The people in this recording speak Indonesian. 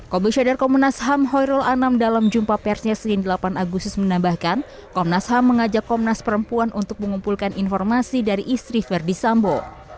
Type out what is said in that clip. komnas ham mengajak komnas perempuan untuk mengumpulkan informasi dari istri verdi sambo